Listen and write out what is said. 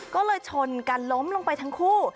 ก็เลยชนกันล้มลงไปทั้งคู่